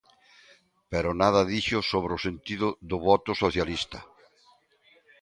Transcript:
Pero nada dixo sobre o sentido do voto socialista.